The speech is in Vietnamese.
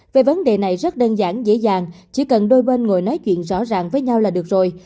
về vấn đề này rất đơn giản dễ dàng chỉ cần đôi bên ngồi nói chuyện rõ ràng với nhau là được rồi